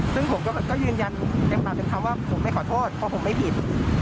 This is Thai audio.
ซึ่งผมก็ยืนยันในความเป็นธรรมว่าผมไม่ขอโทษเพราะผมไม่ผิด